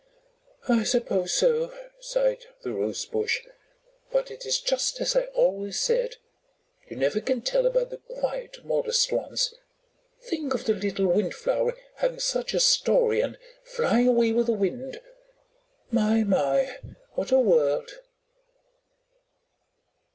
"I suppose so," sighed the Rosebush; "but it is just as I have always said. You never can tell about the quiet, modest ones. Think of the little Windflower having such a story and flying away with the Wind. My, my! What a world!"